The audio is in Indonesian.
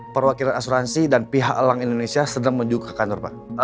perwakilan asuransi dan pihak elang indonesia sedang menuju ke kantor pak